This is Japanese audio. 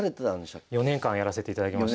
４年間やらせていただきました。